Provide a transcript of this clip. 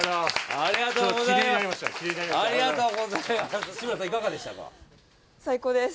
ありがとうございます